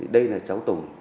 đây là cháu tùng